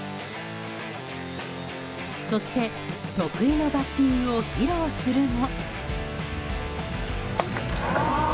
そして、得意のバッティングを披露するも。